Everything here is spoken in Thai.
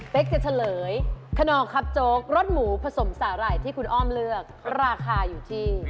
เป็นจะเฉลยขนองครับโจ๊กรสหมูผสมสาหร่ายที่คุณอ้อมเลือกราคาอยู่ที่